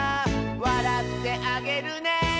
「わらってあげるね」